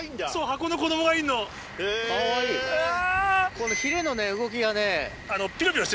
このヒレのね動きがね。